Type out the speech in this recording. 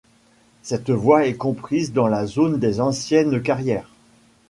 Cette voie est comprise dans la zone des anciennes carrières.